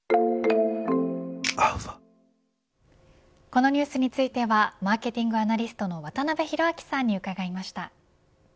このニュースについてはマーケティングアナリストの渡辺広明さんに伺いました。